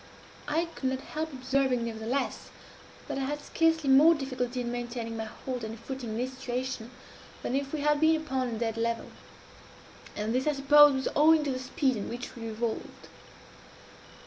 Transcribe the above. I could not help observing, nevertheless, that I had scarcely more difficulty in maintaining my hold and footing in this situation, than if we had been upon a dead level; and this, I suppose, was owing to the speed at which we revolved.